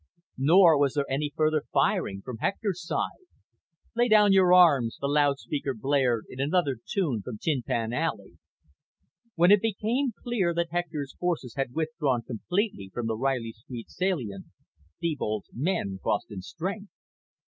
Nor was there any further firing from Hector's side. Lay Down Your Arms, the loudspeaker blared in another tune from tin pan alley. When it became clear that Hector's forces had withdrawn completely from the Reilly Street salient, Thebold's men crossed in strength.